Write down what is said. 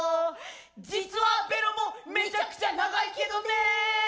「実はベロもめちゃくちゃ長いけどネー！」